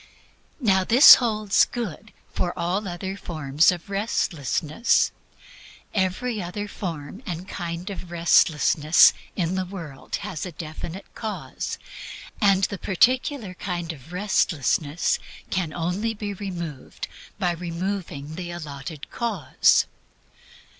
Now this holds good for all other forms of Restlessness. Every other form and kind of Restlessness in the world has a definite cause, and the particular kind of Restlessness can only be removed by removing the allotted cause.